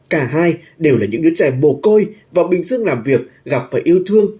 cả hai đều là những đứa trẻ mồ côi vào bình dương làm việc gặp và yêu thương